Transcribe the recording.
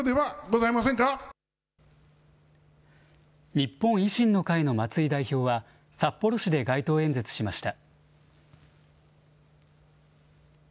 日本維新の会の松井代表は、札幌市で街頭演説しました。